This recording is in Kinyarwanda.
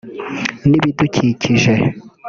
n’ibidukikije